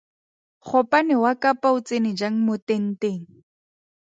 Gopane wa Kapa o tsene jang mo tenteng?